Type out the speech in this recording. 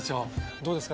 どうですか？